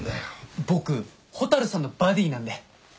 僕蛍さんのバディなんで。